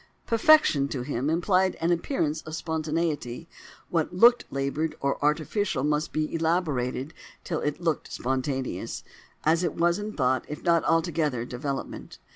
Perfection, to him, implied an appearance of spontaneity: what looked laboured or artificial must be elaborated till it looked spontaneous—as it was in thought if not altogether in development.